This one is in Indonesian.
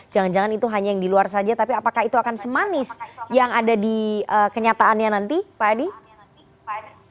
jangan jangan itu hanya yang di luar saja tapi apakah itu akan semanis yang ada di kenyataannya nanti pak adi